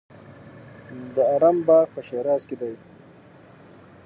د ارم باغ په شیراز کې دی.